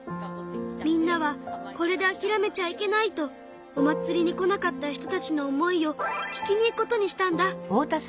みんなはこれであきらめちゃいけないとお祭りに来なかった人たちの思いを聞きに行くことにしたんだ。